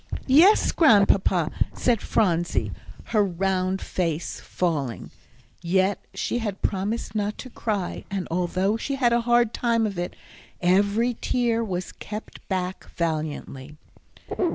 "Yes, Grandpapa," said Phronsie, her round face falling. Yet she had promised not to cry, and, although she had a hard time of it, every tear was kept back valiantly.